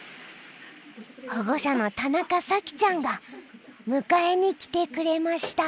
保護者の田中咲ちゃんが迎えに来てくれました。